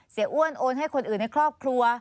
อ้วนโอนให้คนอื่นในครอบครัว